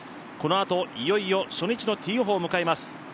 このあと、いよいよ初日のティーホールを迎えます。